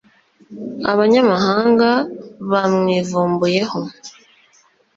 abanyamahanga bamwivumbuyeho